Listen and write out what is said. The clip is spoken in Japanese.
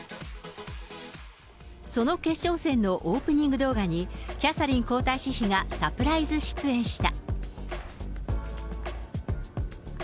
その決勝戦のオープニング動画に、キャサリン皇太子妃がサプライズ出演した。